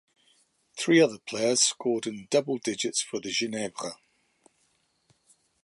Three other players scored in double digits for Ginebra.